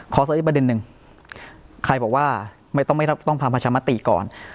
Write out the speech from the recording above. เพราะซะอีกประเด็นนึงใครบอกว่าไม่ต้องผ่านประชามาติก่อน